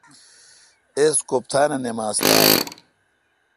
اس کوفتانہ نماز تھال۔